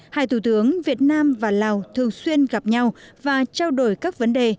hai thủ tướng việt nam và lào thường xuyên gặp nhau và trao đổi các vấn đề